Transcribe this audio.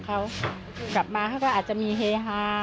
เขากลับมาเขาก็อาจจะมีเฮฮา